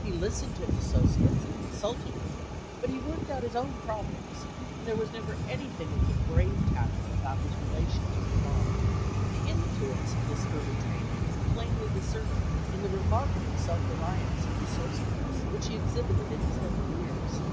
He listened to his associates and consulted with them, but he worked out his own problems, and there was never anything of the "brain tapper" about his relations with the bar. The influence of this early training is plainly discernible in the remarkable self reliance and resourcefulness which he exhibited in his later years.